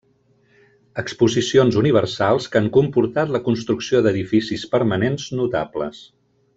Exposicions Universals que han comportat la construcció d'edificis permanents notables.